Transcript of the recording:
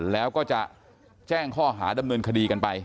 แล้วก็จะแจ้งข้อหาดำเนินคดีกันไป